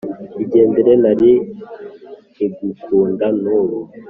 Igendere nari nkigukunda nubu